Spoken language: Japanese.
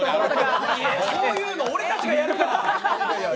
そういうの俺たちがやるから！